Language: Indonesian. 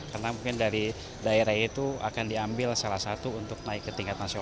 karena mungkin dari daerah itu akan diambil salah satu untuk naik ke tingkat nasional